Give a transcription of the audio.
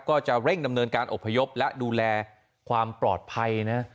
ก็จะเร่งดำเนินการอบพยพและดูแลความปลอดภัยนะ